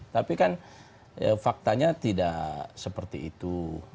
tapi kan faktanya tidak seperti itu